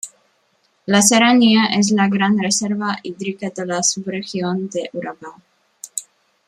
La serranía es la gran reserva hídrica de la subregión de Urabá.